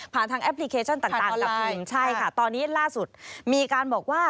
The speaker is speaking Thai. ทางแอปพลิเคชันต่างจับกลุ่มใช่ค่ะตอนนี้ล่าสุดมีการบอกว่า